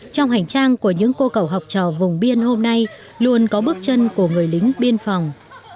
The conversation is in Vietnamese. trong hành trang của những cô cậu học trò vùng biên hôm nay luôn có bước chân của người lính biên phòng